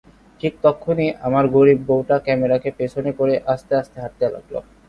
ঠিক তক্ষুণি আমার গরীব বউটা ক্যামেরা কে পেছনে করে আস্তে আস্তে হাটতে লাগল।